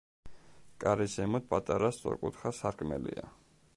კარის ზემოთ პატარა სწორკუთხა სარკმელია.